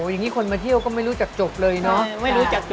อย่างนี้คนมาเที่ยวก็ไม่รู้จักจบเลยเนาะ